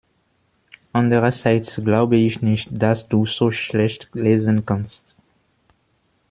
Andererseits glaube ich nicht, dass du so schlecht lesen kannst.